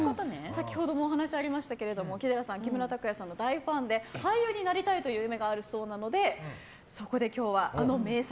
先ほどもお話ありましたけども木寺さんは木村拓哉さんの大ファンで俳優になりたいという夢があるそうなのでそこで今日は名作